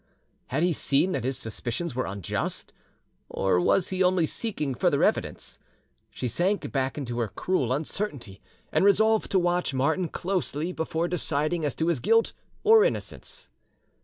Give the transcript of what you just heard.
Had he seen that his suspicions were unjust, or was he only seeking further evidence? She sank back into her cruel uncertainty, and resolved to watch Martin closely, before deciding as to his guilt or innocence.